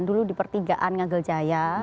dulu di pertigaan nggeljaya